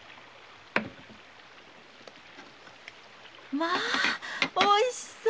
まあおいしそう！